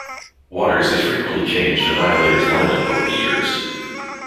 Waters has frequently changed Annihilator's line-up over the years.